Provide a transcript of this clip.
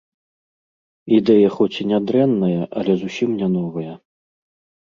Ідэя хоць і не дрэнная, але зусім не новая.